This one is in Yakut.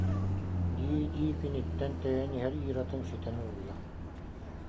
дии-дии киниттэн тэйэн иһэр Иратын ситэн ылла